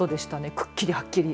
くっきり、はっきり。